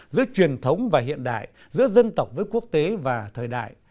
giữa truyền thống và hiện đại giữa dân tộc với quốc tế và thời đại